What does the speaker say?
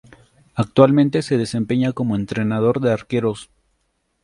Actualmente se desempeña como entrenador de arqueros.